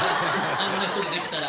あんな人出てきたら。